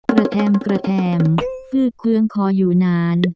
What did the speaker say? กระแทมกระแทมฟืดเครื่องคออยู่นาน